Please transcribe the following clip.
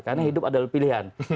karena hidup adalah pilihan